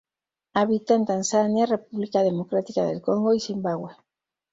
Habita en Tanzania, República Democrática del Congo y Zimbabue.